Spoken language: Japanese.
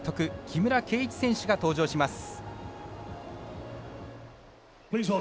木村敬一選手が登場します。